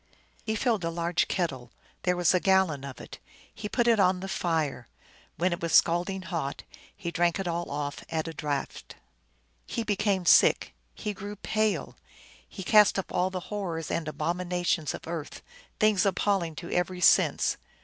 He filled a large kettle ; there was a gal lon of it. He put it on the fire. When it was scald ing hot he drank it all off at a draught. Pie became sick ; he grew pale. He cast up all the horrors and abominations of earth, things appalling to every sense.